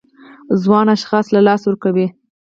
ځوان اشخاص له لاسه ورکوي.